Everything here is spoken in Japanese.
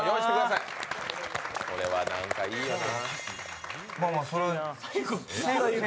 これはなんかいいよな。